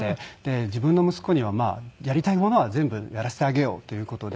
自分の息子にはやりたいものは全部やらせてあげようという事で。